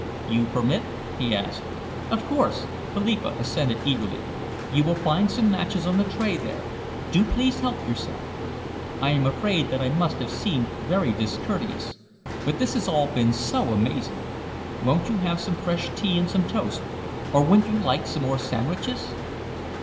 "You permit?" he asked. "Of course," Philippa assented eagerly. "You will find some matches on the tray there. Do please help yourself. I am afraid that I must have seemed very discourteous, but this has all been so amazing. Won't you have some fresh tea and some toast, or wouldn't you like some more sandwiches?"